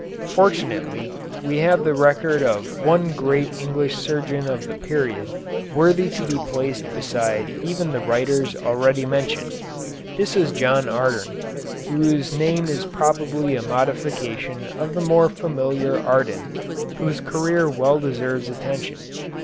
Fortunately we have the record of one great English surgeon of the period worthy to be placed beside even the writers already mentioned. This is John Ardern, whose name is probably a modification of the more familiar Arden, whose career well deserves attention.